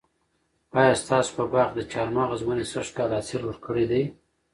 آیا ستاسو په باغ کې د چهارمغز ونې سږ کال حاصل ورکړی دی؟